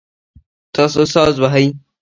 تاسو ساز وهئ؟